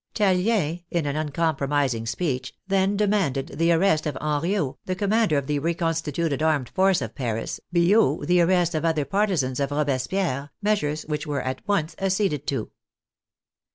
Tallien, in an uncompromising speech, then demanded the arrest of Henriot, the commander of the reconstituted armed force of Paris, Billaud, the arrest of other par tisans of Robespierre, measures which were at once ac ceded to.